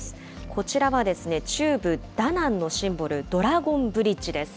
こちらは中部ダナンのシンボル、ドラゴンブリッジです。